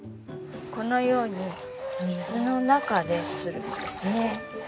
このように水の中でするんですね。